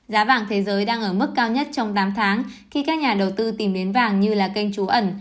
giá vàng thế giới đang ở mức cao nhất trong tám tháng khi các nhà đầu tư tìm đến vàng như là kênh trú ẩn